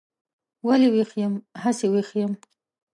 ولې ویښ یم؟ هسې ویښ یم.